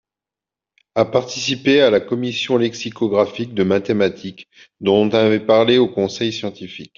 À participer à la commission lexicographique de mathématique dont on avait parlé au conseil scientifique.